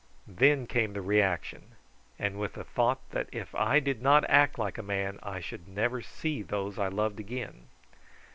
Then came the reaction, with the thought that if I did not act like a man I should never see those I loved again.